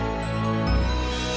aku tidak akan lakukan apa apa